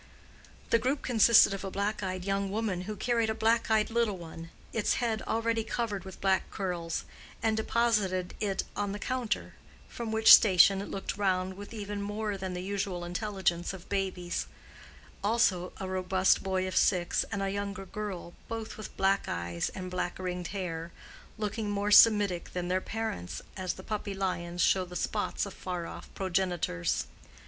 The group consisted of a black eyed young woman who carried a black eyed little one, its head already covered with black curls, and deposited it on the counter, from which station it looked round with even more than the usual intelligence of babies: also a robust boy of six and a younger girl, both with black eyes and black ringed hair—looking more Semitic than their parents, as the puppy lions show the spots of far off progenitors.